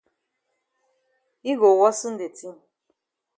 Yi go worsen de tin.